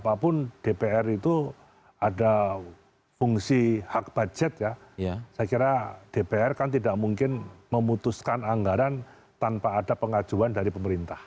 karena apapun dpr itu ada fungsi hak budget ya saya kira dpr kan tidak mungkin memutuskan anggaran tanpa ada pengajuan dari pemerintah